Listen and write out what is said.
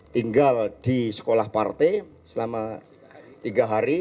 tinggal di sekolah partai selama tiga hari